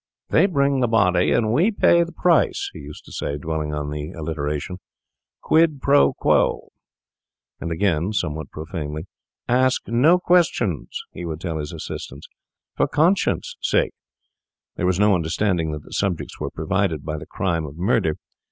'They bring the body, and we pay the price,' he used to say, dwelling on the alliteration—'quid pro quo.' And, again, and somewhat profanely, 'Ask no questions,' he would tell his assistants, 'for conscience' sake.' There was no understanding that the subjects were provided by the crime of murder.